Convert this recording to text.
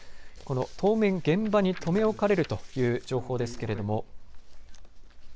この当面、現場に留め置かれるという情報ですけれども。